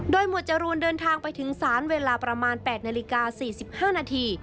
หมวดจรูนเดินทางไปถึงศาลเวลาประมาณ๘นาฬิกา๔๕นาที